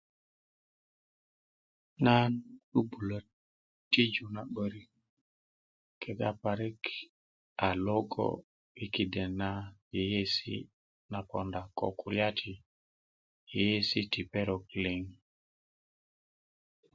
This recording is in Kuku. nan 'bu'bulá tijú na 'barik kega parik a logó i kiden na yeyesi na podá ko kulya ti yeyesi ti perok liŋ